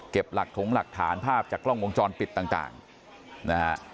หลักถงหลักฐานภาพจากกล้องวงจรปิดต่างนะฮะ